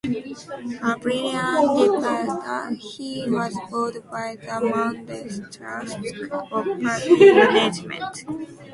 A brilliant debater, he was bored by the mundane tasks of party management.